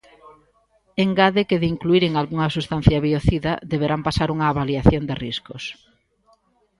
Engade que de incluíren algunha substancia biocida, deberán pasar unha avaliación de riscos.